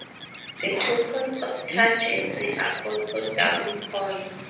The two points of tangency are also double points.